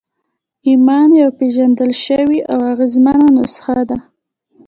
ایمان یوه پېژندل شوې او اغېزمنه نسخه ده